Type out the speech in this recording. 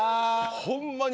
ホンマに。